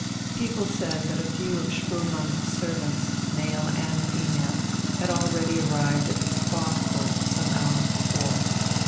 People said that a few of Spoelmann's servants, male and female, had already arrived at the "Spa Court" some hours before.